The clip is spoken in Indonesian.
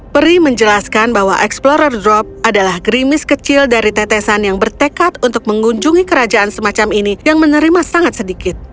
peri menjelaskan bahwa explorer drop adalah gerimis kecil dari tetesan yang bertekad untuk mengunjungi kerajaan semacam ini yang menerima sangat sedikit